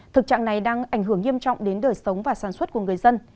thực trạng này đang ảnh hưởng nghiêm trọng đến đời sống và sản xuất của người dân